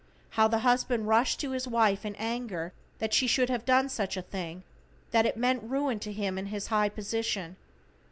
How the husband rushed to his wife in anger that she should have done such a thing, that it meant ruin to him in his high position.